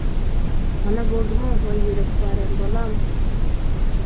مانا بولدىمۇ، ۋاي يۈرەك پارەم، بالام.